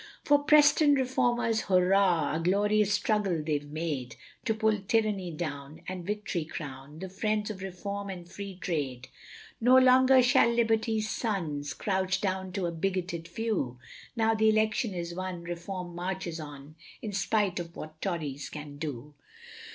For the Preston Reformers hurrah, A glorious struggle they've made, To pull tyranny down, and victory crown The friends of Reform and Free Trade; No longer shall liberty's sons, Crouch down to the bigotted few; Now the election is won Reform marches on, In spite of what Tories can do.